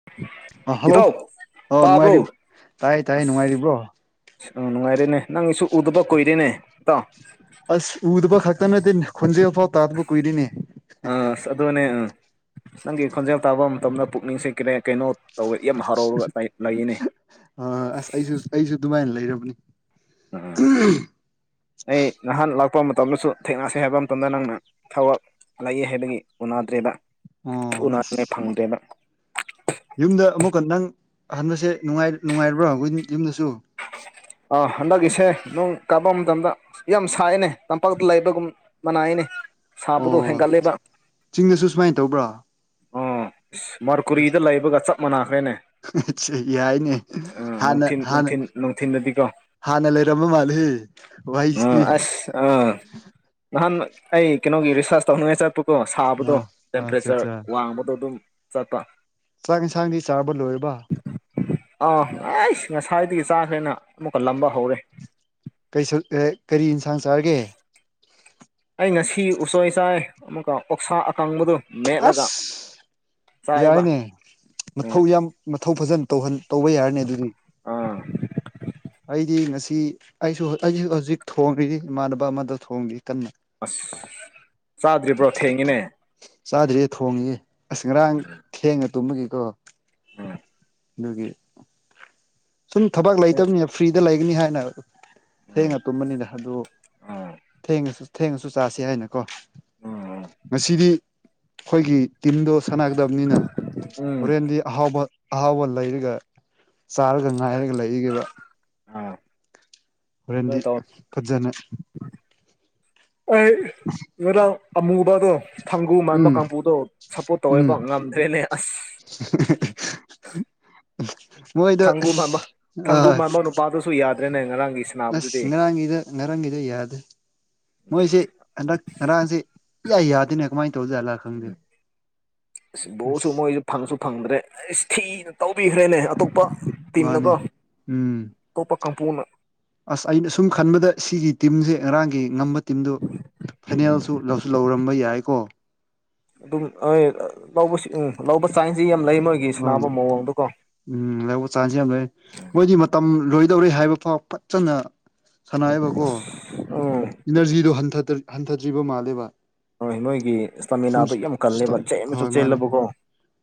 [inaudible] ꯑ ꯍꯜꯂꯣ ꯏꯇꯥꯎ ꯑꯣ ꯅꯨꯡꯉꯥꯏꯔꯤꯕ ꯇꯥꯕ꯭ꯔꯣ ꯇꯥꯏꯌꯦ ꯇꯥꯏꯌꯦ ꯅꯨꯡꯉꯥꯏꯔꯤꯕ꯭ꯔꯣ ꯑ ꯅꯨꯡꯉꯥꯏꯔꯤꯅꯦ ꯅꯪꯁꯨ ꯎꯗꯕ ꯀꯨꯏꯔꯦꯅꯦ ꯏꯇꯥꯎ ꯑꯁ ꯎꯗꯕ ꯈꯥꯛꯇ ꯅꯠꯇꯦꯅꯦ ꯈꯣꯟꯖꯦꯜ ꯐꯥꯎ ꯇꯥꯖꯕ ꯀꯨꯏꯔꯦꯅꯦ ꯑꯥꯁ ꯑꯗꯨꯅꯦ ꯑꯥ ꯅꯪꯒꯤ ꯈꯣꯟꯖꯦꯜ ꯇꯥꯕ ꯃꯇꯝꯗ ꯄꯨꯛꯅꯤꯡꯁꯦ ꯀꯔꯦ ꯀꯩꯅꯣ ꯇꯧꯌꯦ ꯌꯥꯝ ꯍꯔꯥꯎꯔꯒ ꯂꯩ ꯂꯩꯌꯦꯅꯦ ꯑ ꯑꯁ ꯑꯩꯁꯨ ꯑꯩꯁꯨ ꯑꯗꯨꯃꯥꯏꯅ ꯂꯩꯔꯕꯅꯤ ꯑ ꯑꯩ ꯅꯍꯥꯟ ꯂꯥꯛꯄ ꯃꯇꯝꯗꯁꯨ ꯊꯦꯡꯅꯁꯦ ꯍꯥꯏꯕ ꯃꯇꯝꯗ ꯅꯪꯅ ꯊꯕꯛ ꯂꯩꯌꯦ ꯍꯥꯏꯕꯒꯤ ꯎꯅꯗ꯭ꯔꯦꯕ ꯑꯣ ꯑꯁ ꯊꯨꯅꯥꯉꯥꯏ ꯐꯪꯗ꯭ꯔꯦꯕ ꯌꯨꯝꯗ ꯑꯃꯨꯛꯀ ꯅꯪ ꯍꯟꯕꯁꯦ ꯅꯨꯡꯉꯥꯏꯕ꯭ꯔꯥ [unintelligible] ꯌꯨꯝꯗꯁꯨ ꯑ ꯍꯟꯗꯛꯀꯤꯁꯦ ꯅꯣꯡ ꯇꯥꯕ ꯃꯇꯝꯗ ꯌꯥꯝ ꯁꯥꯏꯌꯦꯅꯦ ꯇꯝꯄꯥꯛꯇ ꯂꯩꯕꯒꯨꯝ ꯃꯅꯥꯏꯅꯦ ꯑꯣ ꯁꯥꯕꯗꯣ ꯍꯦꯟꯒꯠꯂꯦꯕ ꯆꯤꯡꯗꯁꯨ ꯁꯨꯃꯥꯏꯅ ꯇꯧꯕ꯭ꯔꯣ ꯏꯁ ꯃꯥꯔꯀꯨꯔꯤꯗ ꯂꯩꯕꯒ ꯆꯞ ꯃꯥꯟꯅꯈ꯭ꯔꯦꯅꯦ ꯌꯥꯏꯅꯦ ꯍꯥꯟꯅ ꯅꯨꯡꯊꯤꯟ ꯍꯥꯟꯅ ꯅꯨꯡꯊꯤꯟ ꯅꯨꯡꯊꯤꯟꯗꯗꯤ ꯑ ꯍꯥꯟꯅ ꯂꯩꯔꯝꯕ ꯃꯥꯜꯂꯦ ꯋꯥꯍꯩꯁꯤꯗꯤ ꯑꯁ ꯑꯥ ꯅꯍꯥꯟ ꯑꯩ ꯀꯩꯅꯣꯒꯤ ꯔꯤꯁꯥꯁ ꯇꯧꯅꯤꯉꯥꯏ ꯆꯠꯄ ꯀꯣ ꯑ ꯁꯥꯕꯗꯣ ꯑꯠꯆꯥ ꯇꯦꯝꯄꯔꯦꯆꯔ ꯑꯠꯆꯥ ꯋꯥꯡꯕꯗꯣ ꯑꯗꯨꯝ ꯆꯠꯄ ꯆꯥꯛ ꯏꯟꯁꯥꯡꯗꯤ ꯆꯥꯕ ꯂꯣꯏꯔꯕ ꯑꯥ ꯑꯩꯁ ꯉꯁꯥꯏꯗꯒꯤ ꯆꯥꯈ꯭ꯔꯦꯅ ꯑꯃꯨꯛꯀ ꯂꯥꯝꯕ ꯍꯧꯔꯦ ꯑꯩꯁꯨ ꯀꯔꯤ ꯌꯦꯟꯁꯥꯡ ꯆꯥꯔꯒꯦ ꯑꯩ ꯉꯁꯤ ꯎꯁꯣꯏ ꯆꯥꯏ ꯑꯃꯨꯛꯀ ꯑꯣꯛꯁꯥ ꯑꯀꯪꯕꯗꯣ ꯑꯁ ꯌꯥꯏꯅꯦ ꯎꯝ ꯃꯊꯧ ꯌꯥꯝ ꯃꯊꯧ ꯐꯖꯅ ꯇꯧꯍꯟ ꯇꯧꯕ ꯌꯥꯔꯅꯤ ꯑꯗꯨꯗꯤ ꯑꯥ ꯑꯩꯗꯤ ꯉꯁꯤ ꯑꯩꯁꯨ ꯑꯩꯁꯨ ꯍꯧꯖꯤꯛ ꯊꯣꯡꯔꯤꯗꯤ ꯏꯃꯥꯟꯅꯕ ꯑꯃꯗ ꯊꯣꯡꯔꯤ ꯀꯟꯅ ꯑꯁ ꯆꯥꯗ꯭ꯔꯤꯕ꯭ꯔꯣ ꯊꯦꯡꯉꯤꯅꯦ ꯆꯥꯗ꯭ꯔꯤꯌꯦ ꯊꯣꯡꯉꯤꯌꯦ ꯑꯁ ꯉꯔꯥꯡ ꯊꯦꯡꯅ ꯇꯨꯝꯕꯒꯤꯀꯣ ꯎꯝ ꯑꯗꯨꯒꯤ ꯁꯨꯝ ꯊꯕꯛ ꯂꯩꯇꯕꯅꯤꯅ ꯐ꯭ꯔꯤꯗ ꯂꯩꯒꯅꯤ ꯍꯥꯏꯅ ꯎꯝ ꯊꯦꯡꯅ ꯇꯨꯝꯕꯅꯤꯗ ꯑꯗꯨ ꯎꯝ ꯊꯦꯡꯉꯁꯨ ꯊꯦꯡꯉꯁꯨ ꯆꯁꯤ ꯍꯥꯏꯅꯀꯣ ꯎꯝ ꯉꯁꯤꯗꯤ ꯑꯩꯈꯣꯏꯒꯤ ꯇꯤꯝꯗꯣ ꯁꯥꯟꯅꯒꯗꯕꯅꯤꯅ ꯎꯝ ꯍꯣꯔꯦꯟꯗꯤ ꯑꯍꯥꯎꯕ ꯑꯍꯥꯎꯕ ꯂꯩꯔꯒ ꯆꯥꯔꯒ ꯉꯥꯏꯔꯒ ꯂꯩꯒꯦꯕ ꯑꯥ ꯍꯣꯔꯦꯟꯗꯤ ꯑꯗꯨꯃꯥꯏꯅ ꯇꯧ ꯐꯖꯅ ꯑꯩ ꯏꯔ ꯑꯃꯨꯕꯥꯥꯗꯣ ꯐꯪꯒꯨ ꯃꯟꯥꯟꯕ ꯎꯝ ꯀꯥꯡꯕꯨꯗꯣ ꯁꯞꯄꯣꯔꯠ ꯎꯝ ꯇꯧꯋꯦꯕ ꯉꯝꯗ꯭ꯔꯦꯅꯦ ꯑꯁ ꯃꯣꯏꯗ ꯑ ꯄꯥꯗꯁꯨ ꯌꯥꯗ꯭ꯔꯦꯅꯦ ꯉꯔꯥꯡꯒꯤꯁ ꯑꯁ ꯉꯔꯥꯡꯒꯤꯗ ꯉꯔꯥꯡꯒꯤꯗ ꯌꯥꯗꯦ ꯃꯣꯏꯁꯤ ꯍꯟꯗꯛ ꯉꯔꯥꯡꯁꯤ ꯌꯥꯏ ꯌꯥꯗꯅꯦ ꯀꯃꯥꯏꯅ ꯇꯧꯖꯂꯥ ꯈꯪꯗꯦ ꯑꯁ ꯕꯣꯜꯁꯨ ꯃꯣꯏꯁꯨ ꯐꯪꯁꯨ ꯐꯪꯗ꯭ꯔꯦ ꯑꯁ ꯊꯤꯅ ꯇꯧꯕꯤꯈ꯭ꯔꯦꯅꯦ ꯑꯇꯣꯞꯄ ꯃꯥꯅꯦ ꯇꯤꯟꯅꯀꯣ ꯎꯝ [unintelligible] ꯑꯁ ꯑꯩꯅ ꯁꯨꯝ ꯈꯟꯕꯗ ꯁꯤꯒꯤ ꯇꯤꯝꯁꯦ ꯉꯔꯥꯡꯒꯤ ꯉꯝꯕ ꯇꯤꯝꯗꯨ ꯐꯥꯏꯅꯦꯜꯁꯨ ꯂꯧꯁꯨ ꯂꯧꯔꯝꯕ ꯌꯥꯏꯀꯣ ꯑꯗꯨꯝ ꯍꯣꯏ ꯂꯧꯕꯁꯤ ꯎꯝ ꯂꯧꯕ ꯆꯥꯟꯁꯇꯤ ꯌꯥꯝ ꯂꯩ ꯅꯣꯏꯒꯤ ꯁꯅꯥꯕ ꯃꯑꯣꯡꯗꯣꯀꯣ ꯎꯝ ꯂꯧꯕ ꯆꯥꯟꯁ ꯌꯥꯝ ꯂꯩ ꯃꯣꯏꯒꯤ ꯃꯇꯝ ꯂꯣꯏꯗꯧꯔꯦ ꯍꯥꯏꯕ ꯐꯥꯎ ꯐꯖꯅ ꯁꯥꯟꯅꯩꯑꯕꯀꯣ ꯎꯝ ꯏꯅꯔꯖꯤꯗꯣ ꯍꯟꯊꯗ꯭ꯔꯤꯕ ꯃꯥꯜꯂꯦꯕ ꯍꯣꯏ ꯅꯣꯏꯒꯤ ꯁꯨꯝ ꯏꯁꯇꯥꯃꯤꯅꯥꯗ ꯌꯥꯝ ꯀꯜꯂꯦꯕ ꯆꯦꯟ ꯑꯃꯁꯨ ꯍꯣꯏ ꯃꯥꯅꯦ ꯆꯦꯜꯂꯕꯀꯣ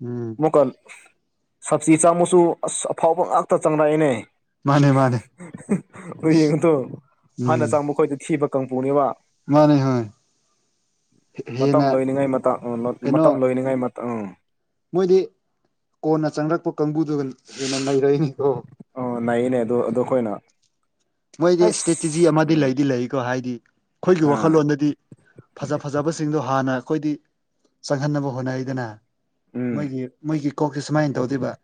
ꯎꯝ ꯃꯨꯀꯟ ꯁꯞꯕꯁꯤꯤ ꯆꯪꯃꯨꯁꯨ ꯑꯁ ꯑꯐꯥꯎꯕ ꯉꯥꯛꯇ ꯆꯪꯅꯛꯏꯅꯦ ꯃꯥꯅꯦ ꯃꯥꯅꯦ ꯌꯦꯡꯉꯗꯣ ꯍꯥꯟꯅ ꯎꯝ ꯆꯥꯡꯕꯣꯏꯗ ꯊꯤꯕ ꯀꯥꯡꯄꯨꯅꯦꯕ ꯃꯥꯅꯦ ꯍꯣꯏ ꯃꯇꯝ ꯍꯦꯟꯅ ꯂꯣꯏꯅꯉꯥꯏ ꯃꯇꯝ ꯀꯩꯅꯣ ꯃꯇꯝ ꯂꯣꯏꯅꯉꯥꯏ ꯃꯇꯝ ꯎꯝ ꯃꯣꯏꯗꯤ ꯀꯣꯟꯅ ꯆꯪꯂꯛꯄ ꯀꯥꯡꯕꯨꯗꯨꯒꯅ ꯂꯩꯩꯔꯛꯏꯅꯤꯀꯣ ꯑꯣ ꯅꯥꯏꯅꯦ ꯑꯣ ꯑꯗꯣ ꯑꯩꯈꯣꯏꯅ ꯃꯣꯏꯗꯤ ꯏꯁꯇ꯭ꯔꯦꯇꯤꯖꯤ ꯑꯁ ꯑꯃꯗꯤ ꯎꯝ ꯂꯩꯗꯤ ꯂꯩꯀꯣ ꯍꯥꯏꯗꯤ ꯑꯩꯈꯣꯏꯒꯤ ꯑꯥ ꯋꯥꯈꯜꯂꯣꯟꯗꯗꯤ ꯐꯖ ꯐꯖꯕꯁꯤꯡꯗꯣ ꯍꯥꯟꯅ ꯑꯩꯈꯣꯏꯗꯤ ꯆꯪꯍꯟꯅꯕ ꯍꯣꯠꯅꯩꯗꯅ ꯎꯝ ꯃꯣꯏꯒꯤ ꯃꯣꯏꯒꯤ ꯀꯣꯛꯁꯤꯦ ꯁꯨꯃꯥꯏꯅ ꯇꯧꯗꯣꯏꯕ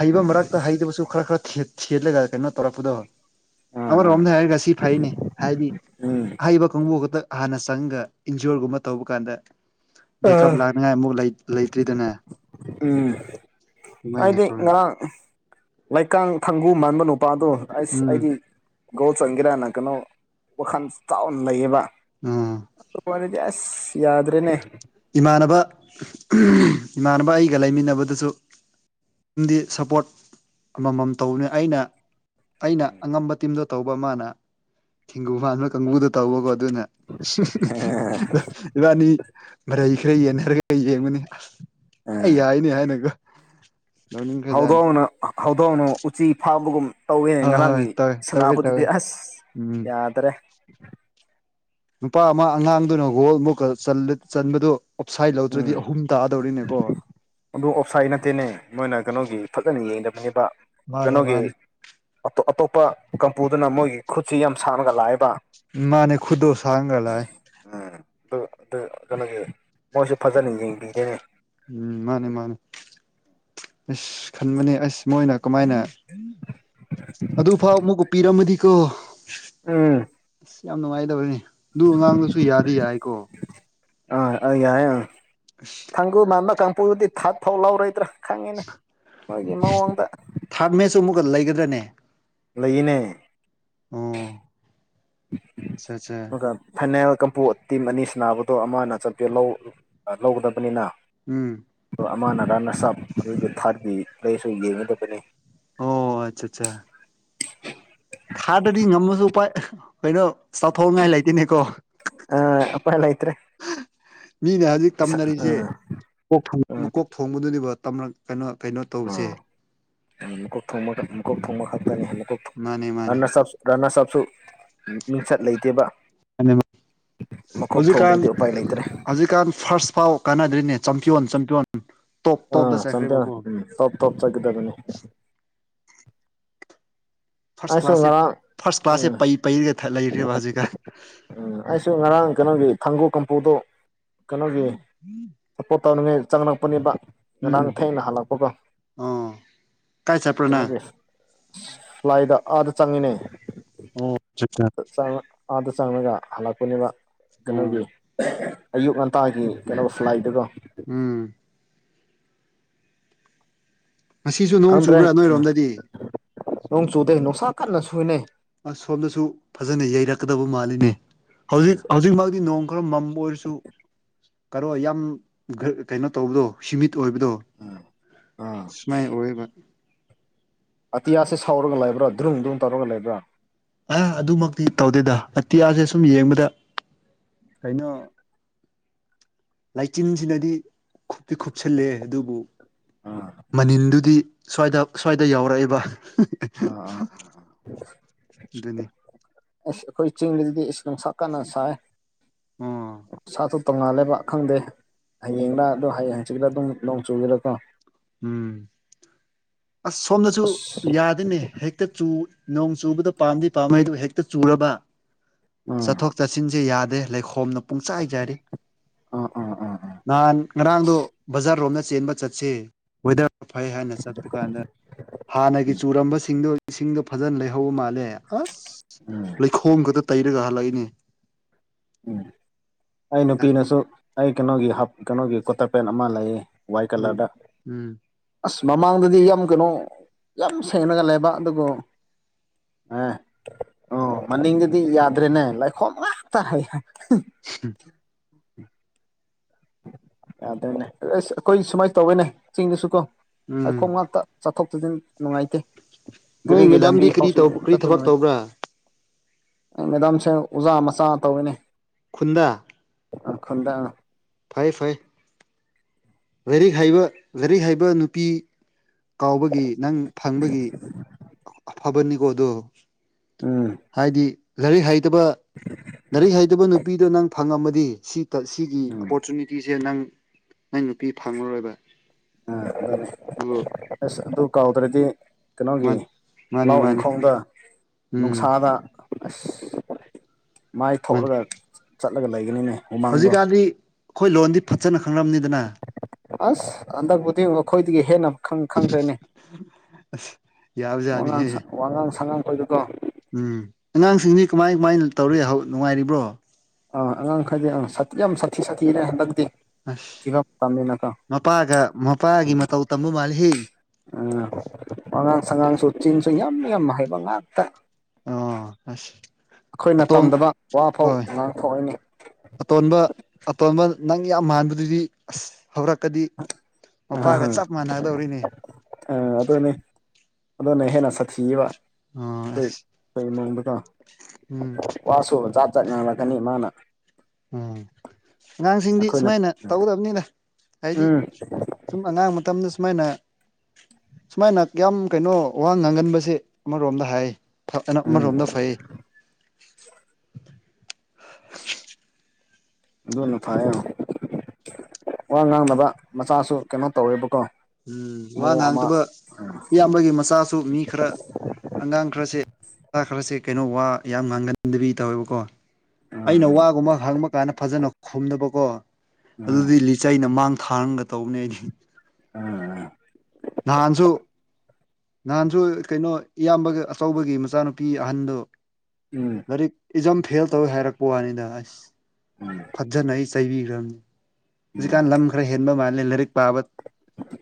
ꯍꯩꯕ ꯃꯔꯛꯇ ꯍꯩꯗꯕꯁꯨ ꯈꯔ ꯈꯔ ꯊꯦꯠꯂꯒ ꯀꯩꯅꯣ ꯇꯧꯔꯛꯄꯗ ꯑꯥ ꯑꯥ ꯑꯃꯔꯣꯝꯗ ꯍꯥꯏꯔꯒ ꯁꯤ ꯐꯩꯅꯤ ꯍꯥꯏꯗꯤ ꯎꯝ ꯑꯍꯩꯕ ꯀꯥꯡꯕꯨ ꯈꯛꯇ ꯍꯥꯟꯅ ꯆꯪꯉꯒ ꯏꯟꯖꯣꯔꯒꯨꯝꯕ ꯇꯧꯕ ꯀꯥꯟꯗ ꯑꯥ ꯕꯦꯦꯛꯀꯞ ꯂꯥꯛ ꯉꯥꯏ ꯑꯃꯨꯛ ꯂꯩꯇ꯭ꯔꯤꯗꯅꯦ ꯎꯝ ꯍꯥꯏꯗꯤ ꯏ ꯇꯧꯔꯦ ꯉꯔ ꯂꯩꯀ ꯊꯪꯒꯨ ꯃꯥꯟꯕ ꯅꯨꯄꯥꯗꯨꯣ ꯑꯩꯁ ꯎꯝ ꯑꯩꯗꯤ ꯒꯧ ꯆꯪꯒꯦꯔꯥꯅ ꯀꯩꯅꯣ ꯋꯥꯈꯜ ꯆꯥꯎꯅ ꯂꯩꯌꯦꯕ ꯑꯥ ꯇꯗꯤ ꯑꯁ ꯌꯥꯗ꯭ꯔꯦꯅꯦ ꯏꯃꯥꯟꯅꯕ ꯎꯝ ꯏꯃꯥꯟꯅꯕ ꯑꯩꯒ ꯂꯩꯃꯤꯟꯅꯕꯗꯨꯁꯨ ꯁꯞꯄꯣꯔꯠ ꯑꯃꯃꯝ ꯇꯧꯕꯅꯤ ꯑꯩꯅ ꯑꯩꯅ ꯑꯉꯝꯕ ꯇꯤꯝꯗꯣ ꯇꯧꯕ ꯑꯃꯅ ꯊꯦꯡꯒꯨ ꯐꯕ ꯀꯥꯡꯕꯨꯗ ꯇꯧꯕꯀꯣ ꯑꯗꯨꯅꯦ ꯏꯕꯥꯥꯅꯤ ꯃꯔꯩ ꯈꯔ ꯌꯦꯟꯅꯔꯒ ꯌꯦꯡꯕꯅꯤ ꯎꯝ ꯌꯥꯏꯅꯤ ꯍꯥꯏꯅꯒꯣ ꯍꯧꯗꯣꯡꯅ ꯍꯧꯗꯣꯡꯅ ꯎꯆꯤ ꯐꯥꯕꯒꯨꯝ ꯇꯧꯋꯦꯅꯦ ꯍꯣꯏ ꯍꯣꯏ ꯉꯔꯥꯡꯒꯤ ꯇꯧꯋꯦ ꯇꯧꯋꯦ ꯁꯅꯥꯄꯣꯠꯇꯗꯤ ꯇꯧꯋꯦ ꯑꯁ ꯎꯝ ꯌꯥꯗꯔꯦ ꯅꯨꯄꯥ ꯑꯃ ꯑꯉꯥꯡꯗꯨꯅ ꯍꯒꯣꯜ ꯑꯃꯨꯛꯀ ꯆꯟꯕꯗꯨ ꯑꯣꯞꯁꯥꯏꯠ ꯂꯧꯗ꯭ꯔꯗꯤ ꯎꯝ ꯑꯍꯨꯝ ꯇꯥꯗꯧꯔꯤꯅꯦꯕꯣ ꯑꯗꯨ ꯑꯣꯞꯁꯥꯏꯠ ꯅꯠꯇꯦꯅꯦ ꯃꯣꯏꯅ ꯀꯩꯅꯣꯒꯤ ꯐꯖꯅ ꯌꯦꯡꯗꯕꯅꯤꯕ ꯃꯥꯅꯦ ꯀꯩꯅꯣꯒꯤ ꯃꯥꯅꯦ ꯑꯇꯣꯞꯄ ꯀꯝꯄꯨꯗꯨꯅ ꯃꯣꯏꯒꯤ ꯈꯨꯠꯁꯤ ꯌꯥꯝ ꯁꯥꯡꯃꯒ ꯂꯥꯛꯑꯦꯕ ꯃꯥꯅꯦ ꯈꯨꯗꯣ ꯁꯥꯡꯒꯂꯦ ꯎ ꯑꯗꯨ ꯑꯗꯨ ꯀꯩꯅꯣꯒꯤ ꯃꯣꯏꯁꯨꯦ ꯐꯖꯅ ꯌꯦꯡꯕꯤꯗꯦꯅꯦ ꯎꯝ ꯃꯥꯅꯦ ꯃꯥꯅꯤ ꯑꯁ ꯈꯟꯕꯅꯦ ꯑꯁ ꯃꯣꯏꯅ ꯀꯃꯥꯏꯅ ꯑꯗꯨꯐꯥꯎ ꯑꯃꯨꯛ ꯎꯄꯤꯤꯔꯝꯃꯗꯤꯀꯣ ꯎꯝ ꯑꯁ ꯌꯥꯝ ꯅꯨꯡꯉꯥꯏꯗꯕꯅꯤ ꯑꯗꯨ ꯑꯉꯥꯡꯗꯨꯁꯨ ꯌꯥꯗꯤ ꯌꯥꯏꯀꯣ ꯑꯥ ꯌꯥꯏ ꯑ ꯑ ꯀꯥꯡꯒꯨ ꯃꯥꯟꯕ ꯀꯥꯡꯕꯨꯨꯕꯨꯗꯤ ꯊꯠ ꯐꯧ ꯂꯧꯔꯣꯏꯗ꯭ꯔꯥ ꯈꯪꯉꯤꯅꯦ ꯃꯣꯏꯒꯤ ꯃꯑꯣꯡꯗ ꯊꯥ꯭ꯔꯠ ꯃꯦꯠꯆ ꯑꯃꯨꯛꯀ ꯂꯩꯒꯗ꯭ꯔꯅꯦ ꯂꯩꯌꯦꯅꯦ ꯑꯣ ꯑꯆꯆꯥ ꯑꯗꯨꯒ ꯐꯥꯏꯅꯦꯜ ꯀꯥꯡꯝꯄꯨ ꯇꯤꯝ ꯑꯅꯤ ꯁꯅꯥꯕꯗꯣ ꯑꯃꯅ ꯆꯝꯄꯤꯌꯟ ꯂꯧꯒꯗꯕꯅꯤꯅ ꯎꯝ ꯑꯗꯣ ꯑꯃꯅ ꯑꯔꯅ ꯆꯞ ꯑꯗꯨꯒꯤ ꯊꯥꯔꯠꯀꯤ ꯂꯩꯔꯁꯨ ꯌꯦꯡꯒꯗꯕꯅꯤ ꯑꯣ ꯑꯆ ꯆꯥ ꯊꯥꯗꯗꯤ ꯉꯝꯃꯁꯨ ꯎꯄꯥꯏ ꯀꯩꯅꯣ ꯆꯥꯊꯣꯡꯅꯉꯥꯏ ꯂꯩꯇꯦꯅꯦꯀꯣ ꯑ ꯎꯄꯥꯏ ꯂꯩꯇ꯭ꯔꯦ ꯃꯤꯅ ꯍꯧꯖꯤꯛ ꯄꯩꯁꯥ ꯇꯝꯅꯔꯤꯁꯦ ꯑꯥ ꯃꯀꯣꯛꯊꯣꯡ ꯎꯝ ꯃꯀꯣꯛꯊꯣꯡꯗꯨꯅꯦꯕ ꯇꯝꯔꯛ ꯀꯩꯅꯣ ꯀꯩꯅꯣ ꯇꯧꯕꯁꯦ ꯃꯀꯣꯛꯊꯣꯡꯕꯗ ꯃꯀꯣꯛꯊꯣꯡꯕ ꯈꯛꯇꯅꯦ ꯃꯀꯣꯛꯊꯣ ꯃꯥꯅꯦ ꯃꯥꯅꯦ ꯉꯟꯅ ꯆꯞꯁ ꯔꯅꯆꯞꯁꯨ ꯃꯤꯡꯆꯠ ꯂꯩꯇꯦꯕ ꯑꯅꯤꯃꯛ ꯃꯀꯣꯛ ꯍꯧꯖꯤꯛꯀꯥꯟ ꯊꯣꯡꯗ꯭ꯔꯗꯤ ꯎꯄꯥꯏ ꯂꯩꯇ꯭ꯔꯦ ꯍꯧꯖꯤꯛꯀꯥꯟ ꯐꯥ꯭ꯔꯁ ꯐꯥꯎ ꯀꯥꯟꯅꯗ꯭ꯔꯤꯅꯦ ꯆꯝꯄꯤꯌꯣꯟ ꯆꯝꯄꯤꯌꯣꯟ ꯇꯣꯞ ꯑ ꯇꯣꯞꯇ ꯆꯝꯄꯤꯌꯣꯟ ꯆꯠꯈ꯭ꯔꯦꯕꯀꯣ ꯇꯣꯞ ꯇꯣꯞ ꯆꯠꯀꯗꯕꯅꯤ ꯐꯥꯔꯁ ꯑꯩꯁꯨ ꯀ꯭ꯂꯥꯁꯁꯤꯞ ꯉꯔꯥꯡ ꯐꯥꯔꯁ ꯀ꯭ꯂꯥꯁꯁꯦ ꯎꯝ ꯄꯩ ꯄꯩꯔꯒ ꯊ ꯂꯩꯔꯦꯕ ꯍꯧꯖꯤꯛꯀꯥꯟ ꯎꯝ ꯑꯩꯁꯨ ꯉꯔꯥꯡ ꯀꯩꯅꯣꯒꯤ ꯊꯥꯡꯒꯨ ꯀꯝꯄꯨꯗꯣ ꯀꯩꯅꯣꯒꯤ ꯁꯞꯄꯣꯔꯠ ꯇꯧꯅꯉꯥꯏ ꯆꯪꯂꯛꯄꯅꯦꯕ ꯎꯝ ꯉꯔꯥꯡ ꯊꯦꯡꯅ ꯍꯜꯂꯛꯄꯒꯣ ꯑꯣ ꯀꯥꯏ ꯆꯠꯄ꯭ꯔꯣ ꯅꯪ ꯀꯩꯅꯣꯒꯤ ꯐ꯭ꯂꯥꯏꯗ ꯑꯥꯗ ꯆꯪꯉꯤꯅꯦ ꯆꯛꯆꯥ ꯆꯛꯆꯥꯕ ꯑꯥꯗ ꯆꯪꯂꯒ ꯍꯜꯂꯛꯄꯅꯦꯕ ꯑꯣ ꯀꯩꯅꯣꯒꯤ ꯑꯌꯨꯛ ꯉꯟꯇꯥꯒꯤ ꯀꯩꯅꯣ ꯐ꯭ꯂꯥꯏꯗꯨꯒꯣ ꯎꯝ ꯉꯁꯤꯁꯨ ꯅꯣꯡ ꯈꯪꯗ꯭ꯔꯦ ꯑ ꯆꯨꯕ꯭ꯔꯥ ꯅꯣꯏꯔꯣꯝꯗꯗꯤ ꯅꯣꯡ ꯆꯨꯗꯦ ꯅꯨꯡꯁꯥ ꯀꯟꯅ ꯁꯨꯅꯦ ꯑꯁ ꯁꯣꯝꯗꯁꯨ ꯐꯖꯅ ꯌꯩꯔꯛꯀꯗꯕ ꯃꯥꯜꯂꯤꯅꯦ ꯍꯧꯖꯤꯛ ꯍꯧꯖꯤꯛꯃꯛꯗꯤ ꯅꯣꯡ ꯈꯔ ꯃꯝꯕ ꯑꯣꯏꯔꯁꯨ ꯀꯔꯣ ꯌꯥꯝ ꯀꯩꯅꯣ ꯇꯧꯕꯗꯣ ꯍꯨꯁꯤꯃꯤꯠ ꯑꯣꯏꯕꯗꯣ ꯑꯥ ꯁꯨꯃꯥꯏꯅ ꯑꯣꯏꯌꯦꯕ ꯑꯇꯤꯌꯥꯁꯦ ꯁꯥꯎꯔꯒ ꯂꯩꯕ꯭ꯔꯥ ꯗ꯭ꯔꯨꯡꯗꯨꯟ ꯇꯧꯔꯒ ꯂꯩꯕ꯭ꯔꯥ ꯑꯥ ꯑꯗꯨꯃꯛꯇꯤ ꯇꯧꯗꯦꯗ ꯑꯇꯤꯌꯥꯁꯦ ꯁꯨꯝ ꯌꯦꯡꯕꯗ ꯀꯩꯅꯣ ꯂꯥꯏꯆꯤꯟꯁꯤꯅꯗꯤ ꯈꯨꯞꯇꯤ ꯈꯨꯨꯞꯁꯜꯂꯦ ꯑꯗꯨꯕꯨ ꯑꯥ ꯃꯅꯤꯟꯗꯨꯗꯤ ꯁ꯭ꯋꯥꯏꯗ ꯁ꯭ꯋꯥꯏꯗ ꯌꯧꯔꯛꯏꯕ ꯑꯥ ꯑꯥ ꯑꯗꯨꯅꯤ ꯑꯁ ꯑꯩꯈꯣꯏ ꯆꯤꯡꯗꯗꯤ ꯏꯁ ꯅꯨꯡꯁꯥ ꯀꯟꯅ ꯁꯥꯏ ꯑꯣ ꯁꯥꯗꯨꯛ ꯇꯣꯡꯉꯥꯜꯂꯦꯕ ꯈꯪꯗꯦ ꯍꯌꯦꯡꯂ ꯑꯗꯨ ꯍꯌꯦꯡ ꯍꯪꯆꯤꯠꯂ ꯑꯗꯨꯝ ꯅꯣꯡ ꯆꯨꯒꯦꯔꯀꯣ ꯎꯝ ꯑꯁ ꯁꯣꯝꯅꯁꯨ ꯑꯁ ꯌꯥꯗꯦꯅꯦ ꯍꯦꯛꯇ ꯆꯨ ꯅꯣꯡ ꯆꯨꯕꯗꯣ ꯄꯥꯝꯗꯤ ꯄꯥꯝꯃꯦ ꯍꯩꯗꯨ ꯍꯦꯛꯇ ꯆꯨꯔꯕ ꯎꯝ ꯆꯠꯊꯣꯛ ꯆꯠꯁꯤꯟꯁꯦ ꯌꯥꯗꯦ ꯂꯩꯈꯣꯝꯅ ꯄꯨꯡꯆꯥꯏ ꯆꯥꯏꯔꯦ ꯑꯥ ꯑꯥ ꯑꯥ ꯑꯥ ꯅꯍꯥꯟ ꯉꯔꯥꯡꯗꯣ ꯕꯖꯥꯔ ꯔꯣꯝꯗ ꯆꯦꯟꯕ ꯆꯠꯁꯦ ꯋꯦꯗ꯭ꯔ ꯐꯩ ꯍꯥꯏꯅ ꯆꯠꯄ ꯀꯥꯟꯗ ꯍꯥꯟꯅꯒꯤ ꯆꯨꯔꯝꯕꯁꯤꯡꯗꯣ ꯏꯁꯤꯡꯗꯣ ꯐꯖꯅ ꯂꯩꯍꯧꯕ ꯃꯥꯜꯂꯦ ꯑꯁ ꯎꯝ ꯂꯩꯈꯣꯝꯒꯗꯣ ꯇꯩꯔꯒ ꯍꯜꯂꯛꯏꯅꯦ ꯎꯝ ꯑꯩ ꯅꯨꯄꯤꯅꯁꯨ ꯑꯩ ꯀꯩꯅꯣꯒꯤ ꯍꯥꯞ ꯀꯩꯅꯣꯒꯤ ꯀ꯭ꯋꯥꯇ꯭ꯔ ꯄꯦꯟ ꯑꯃ ꯂꯩꯌꯦ ꯋꯥꯏ ꯎꯝ ꯀꯂ꯭ꯔꯗ ꯎꯝ ꯑꯁ ꯃꯃꯥꯡꯗꯗꯤ ꯌꯥꯝ ꯀꯩꯅꯣ ꯌꯥꯝ ꯁꯦꯡꯅꯒ ꯂꯩꯕ ꯑꯗꯨꯕꯨ ꯑꯦ ꯑꯣ ꯃꯅꯤꯡꯗꯗꯤ ꯌꯥꯗ꯭ꯔꯦꯅꯦ ꯂꯩꯈꯣꯝ ꯉꯥꯛ ꯇ ꯍꯩ ꯍꯥꯏ ꯎꯝ ꯌꯥꯗꯣꯏꯅꯦ ꯑꯁ ꯑꯩꯈꯣꯏ ꯁꯨꯃꯥꯏꯅ ꯇꯧꯋꯦꯅꯦ ꯆꯤꯡꯗꯁꯨꯀꯣ ꯎꯝ ꯑꯩꯈꯣꯡ ꯉꯥꯛꯇ ꯆꯠꯊꯣꯛꯄꯗꯤꯝ ꯅꯨꯡꯉꯥꯏꯇꯦ ꯅꯣꯏ ꯒꯥꯔꯤꯒꯤ ꯃꯦꯗꯥꯝꯗꯤ ꯂꯝꯕꯤ ꯀꯔꯤ ꯐꯥꯎꯁꯤ ꯇꯧꯕ ꯑꯗꯨꯝ ꯀꯔꯤ ꯆꯠꯄ ꯊꯕꯛ ꯅꯨꯡꯉꯥꯏꯇꯦ ꯇꯧꯕ꯭ꯔꯥ ꯃꯦꯗꯥꯝꯁꯦ ꯑꯣꯖꯥ ꯃꯆꯥ ꯇꯧꯋꯤꯅꯦ ꯈꯨꯟꯗ ꯑ ꯈꯟꯗꯥ ꯐꯩ ꯐꯩ ꯂꯥꯏꯔꯤꯛ ꯍꯩꯕ ꯂꯥꯏꯔꯤꯛ ꯍꯩꯕ ꯅꯨꯄꯤ ꯀꯥꯎꯕꯒꯤ ꯅꯪ ꯐꯪꯕꯒꯤ ꯑꯐꯕꯅꯤꯀꯣ ꯑꯗꯣ ꯎꯝ ꯍꯥꯏꯗꯤ ꯂꯥꯏꯔꯤꯛ ꯍꯩꯇꯕ ꯂꯥꯏꯔꯤꯛ ꯍꯩꯇꯕ ꯅꯨꯄꯤꯗꯣ ꯅꯪ ꯐꯪꯉꯝꯃꯗꯤ ꯁꯤ ꯇ ꯁꯤꯒꯤ ꯎꯝ ꯑꯣꯄꯣꯔꯆꯨꯅꯤꯇꯤꯁꯦ ꯅꯪ ꯑꯩ ꯅꯨꯄꯤ ꯐꯪꯉꯔꯣꯏꯕ ꯎ ꯑꯗꯨ ꯑꯗꯨ ꯑꯁ ꯑꯗꯨ ꯀꯥꯎꯗ꯭ꯔꯗꯤ ꯀꯩꯅꯣꯒꯤ ꯃꯥꯅꯤ ꯃꯥꯅꯤ ꯂꯧ ꯃꯥꯅꯤ ꯏꯪꯈꯣꯡꯗ ꯅꯨꯡꯁꯥ ꯎꯝ ꯑꯗ ꯑꯁ ꯃꯥꯏ ꯃꯥꯅꯤ ꯊꯣꯛꯂꯒ ꯆꯠꯂꯒ ꯂꯩꯒꯅꯤꯅꯦ ꯍꯨꯃꯥꯡꯗꯣ ꯍꯧꯖꯤꯛꯀꯥꯟꯗꯤ ꯑꯩꯈꯣꯏ ꯂꯣꯟꯗꯤ ꯐꯖꯅ ꯈꯪꯔꯝꯅꯤ ꯑꯁ ꯍꯟꯗꯛꯄꯨꯗꯤ ꯑꯩꯈꯣꯏꯗꯒꯤ ꯍꯦꯟꯅ ꯈꯪꯈ꯭ꯔꯦꯅꯦ ꯑ ꯋꯥꯉꯥꯡ ꯌꯥꯕꯖꯥꯅꯤꯍꯦ ꯋꯥꯉꯥꯡ ꯁꯉꯥꯡꯈꯗꯀꯣ ꯎꯝ ꯑꯉꯥꯡꯁꯤꯡꯁꯤ ꯀꯃꯥꯏ ꯀꯃꯥꯏꯅ ꯇꯧꯔꯤ ꯍꯧꯖꯤ ꯅꯨꯡꯉꯥꯏꯔꯤꯕ꯭ꯔꯣ ꯑꯥ ꯑꯉꯥꯡ ꯈꯔꯗꯤ ꯑꯥꯤ ꯌꯥꯝ ꯁꯥꯊꯤ ꯁꯥꯊꯤꯔꯦ ꯍꯟꯗꯛꯇꯤ ꯑꯁ ꯊꯤꯕ ꯇꯝꯃꯤꯅꯀꯣ ꯃꯄꯥꯒ ꯃꯄꯥꯒꯤ ꯃꯇꯧ ꯇꯝꯕ ꯃꯥꯜꯂꯤꯍꯦ ꯎ ꯑꯉꯥꯡ ꯁꯉꯥꯡꯁꯨ ꯆꯤꯟꯁꯨ ꯌꯥꯝ ꯌꯥꯝ ꯍꯩꯕ ꯉꯥꯛꯇ ꯑ ꯑꯩꯈꯣꯏꯅ ꯑꯇꯣ ꯇꯝꯗꯕ ꯋꯥꯐꯥꯎ ꯍꯣꯏ ꯉꯥꯡꯊꯣꯛꯏꯅꯤ ꯑꯇꯣꯟꯕ ꯑꯇꯣꯟꯕ ꯅꯪ ꯌꯥꯝ ꯃꯥꯟꯕꯗꯨꯗꯤ ꯑꯁ ꯍꯧꯔꯛꯀꯗꯤ ꯃꯄꯥꯒ ꯆꯞ ꯃꯥꯟꯅꯒꯗꯧꯔꯤꯅꯦ ꯑ ꯑꯗꯨꯅꯤ ꯑꯗꯨꯅꯦꯍꯦꯟꯅ ꯁꯊꯤꯕ ꯑꯣ ꯍꯣꯏ ꯑꯁ ꯍꯣꯏ ꯏꯃꯣꯡꯗꯨꯀꯣ ꯎꯝ ꯋꯥꯁꯨ ꯆꯖꯥꯛ ꯆꯠ ꯉꯥꯡꯂꯛꯀꯅꯤ ꯃꯥꯅ ꯎꯝ ꯑꯉꯥꯡꯁꯤꯡꯗꯤ ꯑꯩꯈꯣꯏꯅ ꯁꯨꯃꯥꯏꯅ ꯇꯧꯒꯗꯕꯅꯤꯅ ꯍꯥꯏꯗꯤ ꯎꯝ ꯁꯨꯝ ꯑꯉꯥꯡ ꯃꯇꯝꯗ ꯁꯨꯃꯥꯏꯅ ꯁꯨꯃꯥꯏꯅ ꯀꯌꯥꯝ ꯀꯩꯅꯣ ꯋꯥ ꯉꯥꯡꯒꯟꯕꯁꯦ ꯑꯃꯔꯣꯝꯗ ꯍꯥꯏꯅ ꯎꯝ ꯑꯃꯔꯣꯝꯗ ꯐꯩ ꯑꯗꯨꯅ ꯐꯔꯌꯦ ꯋꯥ ꯉꯥꯡꯅꯕ ꯃꯆꯥꯁꯨ ꯀꯩꯅꯣ ꯇꯧꯋꯦꯕꯀꯣ ꯎꯝ ꯋꯥ ꯃꯑꯣꯡ ꯑꯃ ꯉꯥꯡꯇꯕ ꯏꯌꯥꯝꯕꯒꯤ ꯃꯆꯥꯁꯨ ꯃꯤ ꯈꯔ ꯑꯉꯥꯡ ꯈꯔꯁꯦ ꯈꯔꯁꯦ ꯀꯩꯅꯣ ꯋꯥ ꯌꯥꯝ ꯉꯥꯡꯒꯟꯗꯕꯤ ꯇꯧꯋꯦꯕꯀꯣ ꯑꯩꯅ ꯋꯥꯒꯨꯝꯕ ꯍꯪꯕ ꯀꯥꯟꯗ ꯐꯖꯅ ꯈꯨꯝꯗꯕꯀꯣ ꯎꯝ ꯑꯗꯨꯗꯤ ꯂꯤꯆꯩꯅ ꯃꯥꯡ ꯊꯥꯔꯝꯒ ꯇꯧꯕꯅꯦ ꯑꯩꯗꯤ ꯎꯝ ꯅꯍꯥꯟꯁꯨ ꯅꯍꯥꯟꯁꯨ ꯀꯩꯅꯣ ꯏꯌꯥꯝꯕꯒ ꯑꯆꯧꯕꯒꯤ ꯃꯆꯥꯅꯨꯄꯤ ꯑꯍꯟꯗꯣ ꯎꯝ ꯂꯔꯤꯛ ꯏꯖꯝ ꯐꯦꯜ ꯇꯧꯋꯦ ꯍꯥꯏꯔꯛꯄ ꯋꯥꯅꯤꯗ ꯑꯁ ꯎꯝ ꯐꯞꯖꯅ ꯑꯩ ꯆꯩꯕꯤꯈ꯭ꯔꯕꯅꯤ ꯎꯝ ꯍꯧꯖꯤꯛꯀꯥꯟ ꯂꯝ ꯈꯔ ꯍꯦꯟꯕ ꯃꯥꯜꯂꯦ ꯂꯥꯏꯔꯤꯛ ꯄꯥꯕ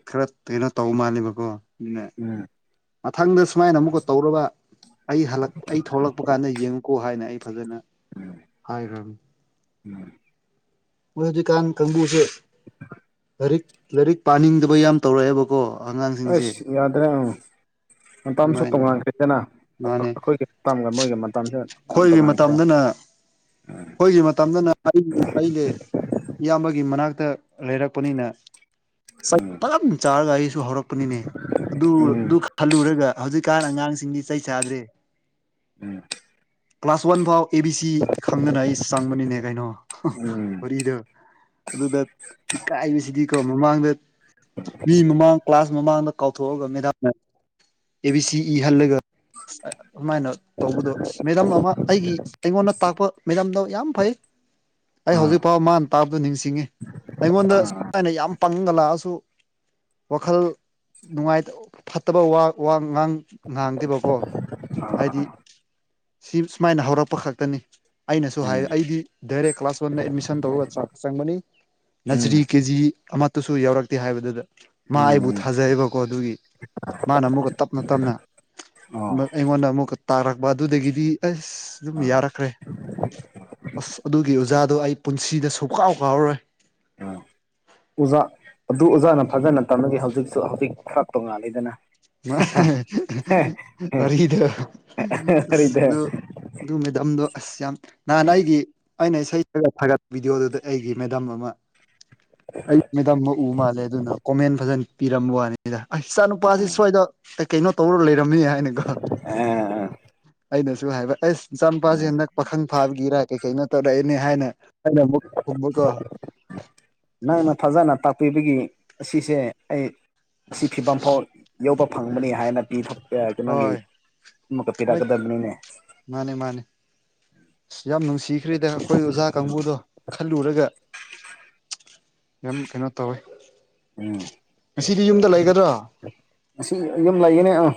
ꯈꯔ ꯀꯩꯅꯣ ꯇꯧꯕ ꯃꯥꯜꯂꯦꯕꯀꯣ ꯑꯅ ꯎꯝ ꯃꯊꯪꯗ ꯁꯨꯃꯥꯏꯅ ꯑꯃꯨꯛꯀ ꯇꯧꯔꯒ ꯑꯩ ꯍ ꯑꯩ ꯊꯣꯛꯂꯛꯂꯛꯄ ꯀꯥꯟꯗ ꯌꯦꯡꯉꯨꯀꯣ ꯍꯥꯏꯅ ꯑꯩ ꯐꯖꯅ ꯍꯥꯏꯒ꯭ꯔꯥꯝ ꯃꯣꯏ ꯍꯧꯖꯤꯛꯀꯥꯟ ꯀꯥꯡꯕꯨꯁꯦ ꯂꯥꯏꯔꯤꯛ ꯂꯥꯏꯔꯤꯛ ꯄꯥꯅꯤꯡꯗꯕ ꯌꯥꯝ ꯇꯧꯔꯛꯑꯦꯕꯀꯣ ꯑꯉꯥꯡꯖꯤꯡꯖꯦ ꯑꯩꯁ ꯌꯥꯗ꯭ꯔꯦ ꯎꯝ ꯃꯇꯝꯁꯨ ꯇꯣꯉꯥꯟꯈ꯭ꯔꯦꯗꯅ ꯑ ꯑ ꯃꯥꯅꯦ ꯑꯈꯣꯏꯒꯤ ꯃꯇꯝꯒ ꯃꯣꯏꯒꯤ ꯃꯇꯝꯁꯤꯒ ꯌꯥꯝ ꯑꯩꯈꯣꯏꯒꯤ ꯇꯣꯉꯥꯟꯈ꯭ꯔꯦ ꯃꯇꯝꯗꯅ ꯑꯩꯈꯣꯏꯒꯤ ꯃꯇꯝꯗꯅ ꯑꯩ ꯑꯩꯗꯤ ꯏꯌꯥꯝꯕꯒꯤ ꯃꯅꯥꯛꯇ ꯂꯩꯔꯛꯄꯅꯤꯅ ꯆꯩ ꯐꯖꯟ ꯆꯥꯔꯒ ꯑꯩꯁꯨ ꯍꯧꯔꯛꯄꯅꯤꯅꯦ ꯑꯗꯨ ꯑꯗꯨ ꯎꯝ ꯈꯜꯂꯨꯔꯒ ꯍꯧꯖꯤꯛꯀꯥꯟ ꯑꯉꯥꯡꯁꯤꯡꯗꯤ ꯆꯩ ꯆꯥꯗ꯭ꯔꯦ ꯎꯝ ꯀ꯭ꯂꯥꯁ ꯋꯥꯟ ꯐꯥꯎ ꯑꯦ ꯕꯤ ꯁꯤ ꯈꯪꯗꯅ ꯑꯩ ꯆꯪꯕꯅꯤꯅꯦ ꯀꯩꯅꯣ ꯎꯝ ꯋꯥꯔꯤꯗꯣ ꯑꯗꯨꯗ ꯏꯀꯥꯏꯕꯁꯤꯗꯤꯀꯣ ꯃꯃꯥꯡꯗ ꯃꯤ ꯃꯃꯥꯡ ꯀ꯭ꯂꯥꯁ ꯃꯃꯥꯡꯗ ꯀꯥꯎꯊꯣꯛꯑꯒ ꯃꯦꯗꯥꯝꯅ ꯑꯦ ꯕꯤ ꯁꯤ ꯏ ꯍꯜꯂꯒ ꯑꯗꯨꯃꯥꯏꯅ ꯇꯧꯕꯗꯣ ꯃꯦꯗꯥꯝ ꯑꯃ ꯑꯩꯒꯤ ꯑꯩꯉꯣꯟꯗ ꯇꯥꯛꯄ ꯃꯦꯗꯥꯝꯗꯣ ꯌꯥꯝ ꯐꯩ ꯑꯩ ꯑꯥ ꯍꯧꯖꯤꯛꯐꯥꯎ ꯃꯥꯥꯟ ꯇꯥꯞꯗꯨ ꯅꯤꯡꯁꯤꯡꯉꯤ ꯑꯩꯉꯣꯟꯗ ꯑꯥ ꯁꯨꯃꯥꯏꯅ ꯌꯥꯝ ꯄꯪꯉꯒ ꯂꯥꯛꯑꯁꯨ ꯋꯥꯈꯜ ꯅꯨꯡꯉꯥꯏꯇ ꯐꯠꯇꯕ ꯋꯥ ꯉꯥꯡ ꯉꯥꯡꯗꯦꯕꯀꯣ ꯍꯥꯏꯗꯤ ꯁꯤ ꯁꯨꯃꯥꯏꯅ ꯍꯧꯔꯛꯄ ꯈꯛꯇꯅꯤ ꯑꯩꯅꯁꯨ ꯍꯥꯏ ꯎꯝ ꯑꯩꯗꯤ ꯗꯥꯏꯔꯦꯛ ꯀ꯭ꯂꯥꯁ ꯋꯥꯟꯗ ꯑꯦꯗꯃꯤꯁꯟ ꯇꯧꯔꯒ ꯆꯥꯛ ꯆꯪꯕꯅꯤ ꯎꯝ ꯆꯔꯤ ꯀꯦꯖꯤ ꯑꯃꯠꯇꯁꯨ ꯌꯥꯎꯔꯛꯇꯦ ꯍꯥꯏꯕꯗꯨꯗ ꯃꯥ ꯎꯝ ꯑꯩꯕꯨ ꯎꯝ ꯊꯥꯖꯔꯦꯕꯀꯣ ꯑꯗꯨꯒꯤ ꯃꯥꯅ ꯑꯃꯨꯛꯀ ꯇꯞꯅ ꯇꯞꯅ ꯑꯣ ꯑꯃꯛ ꯑꯩꯉꯣꯟꯗ ꯑꯃꯨꯛꯀ ꯇꯥꯔꯛꯄ ꯑꯗꯨꯗꯒꯤꯗꯤ ꯑꯁ ꯑꯗꯨꯝ ꯑꯥ ꯌꯥꯔꯛꯈ꯭ꯔꯦ ꯑꯁ ꯑꯗꯨꯒꯤ ꯑꯣꯖꯥꯗꯣ ꯑꯩ ꯄꯨꯟꯁꯤꯗ ꯁꯨꯛꯀꯥꯎ ꯀꯥꯎꯔꯔꯣꯏ ꯑꯥ ꯑꯣꯖꯥ ꯑꯗꯨ ꯑꯣꯖꯥꯅ ꯐꯖꯅ ꯇꯝꯃꯗꯤ ꯍꯧꯖꯤꯛꯁꯨ ꯍꯧꯖꯤꯛ ꯈꯔ ꯇꯣꯉꯥꯜꯂꯤꯗꯅ ꯃꯥ ꯑꯍꯦ ꯍꯦ ꯍꯦ ꯍꯦ ꯍ ꯍꯦ ꯋꯔꯤꯗꯣ ꯑꯁ ꯋꯥꯔꯤꯗ ꯑꯗꯨ ꯑꯗꯨ ꯃꯦꯗꯥꯝꯗꯣ ꯑꯁ ꯌꯥꯝ ꯅꯍꯥꯟ ꯑꯩꯒꯤ ꯑꯩꯅ ꯏꯁꯩ ꯗꯒ ꯊꯥꯒꯠꯄ ꯕꯤꯗꯤꯑꯣꯗꯨꯗ ꯑꯩꯒꯤ ꯃꯦꯗꯥꯝ ꯑꯃ ꯑꯩ ꯃꯦꯗꯥꯝꯃ ꯎ ꯃꯥꯜꯂꯦ ꯑꯗꯨꯅ ꯀꯣꯃꯦꯟ ꯐꯖꯟ ꯄꯤꯔꯝꯕ ꯋꯥꯅꯤ ꯗ ꯑꯁ ꯏꯆꯥꯅꯨꯄꯥꯁꯤ ꯁ꯭ꯋꯥꯗ ꯀꯩ ꯀꯩꯅꯣ ꯇꯧꯔ ꯂꯩꯔꯝꯃꯤ ꯍꯥꯏꯅꯀꯣ ꯑꯩꯅꯁꯨ ꯍꯥꯏꯕ ꯑꯩꯁ ꯏꯆꯥ ꯅꯨꯨꯄꯥꯁꯦ ꯍꯟꯗꯛ ꯄꯥꯈꯪ ꯐꯥꯕꯒꯤꯔꯥ ꯀꯩ ꯀꯩꯅꯣ ꯇꯧꯔꯛꯑꯦꯅꯦ ꯍꯥꯏꯅ ꯑꯩꯅꯃꯨꯛ ꯈꯨꯝꯕ ꯀꯣ ꯅꯪꯅ ꯐꯖꯅ ꯇꯥꯛꯄꯤꯕꯒꯤ ꯑꯁꯤꯁꯦ ꯑꯩ ꯑꯁꯤ ꯐꯤꯕꯝ ꯐꯥꯎ ꯌꯧꯕ ꯐꯪꯕꯅꯤ ꯍꯥꯏꯅ ꯄꯤꯊꯄ ꯑꯥ ꯀꯩꯅꯣꯒꯤ ꯍꯣꯏ ꯑꯃꯨꯛꯀ ꯍꯣꯏ ꯄꯤꯔꯛꯀꯗꯕꯅꯤꯅꯦ ꯃꯥꯅꯦ ꯃꯥꯅꯦ ꯌꯥꯝ ꯅꯨꯡꯁꯤꯈ꯭ꯔꯦꯗ ꯑꯈꯣꯏ ꯑꯣꯖꯥ ꯀꯥꯡꯕꯨꯗꯣ ꯈꯜꯂꯨꯔꯒ ꯌꯥꯝ ꯀꯩꯅꯣ ꯇꯧꯋꯦ ꯎꯝ ꯉꯁꯤꯗꯤ ꯌꯨꯝꯗ ꯂꯩꯒꯗ꯭ꯔꯥ ꯉꯁꯤ ꯌꯨꯝ ꯂꯩꯒꯅꯤ ꯑꯥ